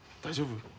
大丈夫？